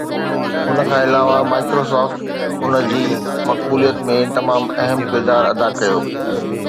ان کان علاوه Microsoft ان جي مقبوليت ۾ تمام اهم ڪردار ادا ڪيو